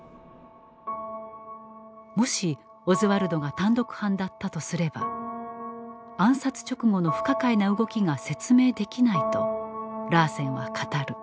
もしオズワルドが単独犯だったとすれば暗殺直後の不可解な動きが説明できないとラーセンは語る。